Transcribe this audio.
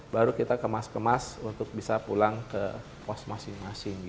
baru kita kemas kemas untuk bisa pulang ke pos masing masing